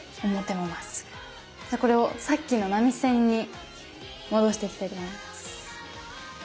じゃこれをさっきの波線に戻していきたいと思います。